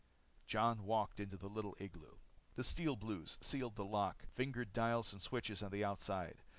Jon walked into the little igloo. The Steel Blues sealed the lock, fingered dials and switches on the outside.